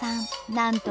なんと